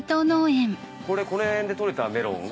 これこの辺でとれたメロン？